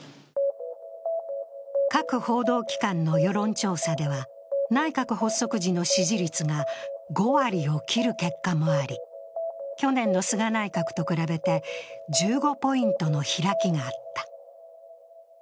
各報道機関の世論調査では、内閣発足時の支持率が５割を切る結果もあり、去年の菅内閣と比べて１５ポイントの開きがあった。